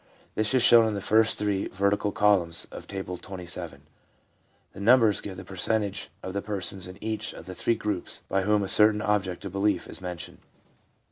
This is shown in the first three vertical columns of Table XXVII. The numbers give the percentage of the persons in each of the three groups by whom a certain object of belief is mentioned.